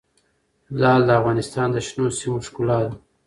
لعل د افغانستان د شنو سیمو ښکلا ده.